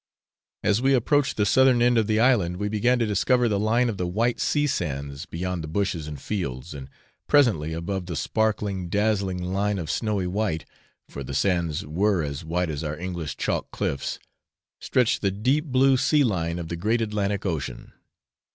As we approached the southern end of the island, we began to discover the line of the white sea sands beyond the bushes and fields, and presently, above the sparkling, dazzling line of snowy white, for the sands were as white as our English chalk cliffs, stretched the deep blue sea line of the great Atlantic Ocean.